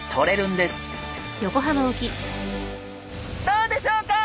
どうでしょうか？